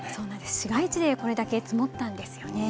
市街地でこれだけ積もったんですよね。